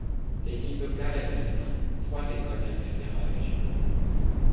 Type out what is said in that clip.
L'Église locale administre trois écoles d'infirmières dans la région.